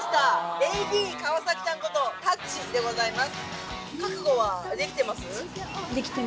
ＡＤ川崎ちゃんことタッチでございます。